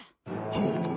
ほう？